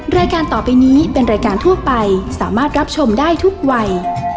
รายการต่อไปนี้เป็นรายการทั่วไปสามารถรับชมได้ทุกวัย